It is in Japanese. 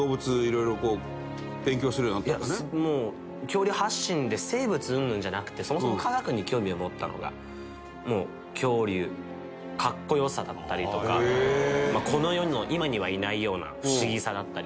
もう恐竜発進で生物うんぬんじゃなくてそもそも科学に興味を持ったのが恐竜かっこよさだったりとかこの世の今にはいないような不思議さだったりとか。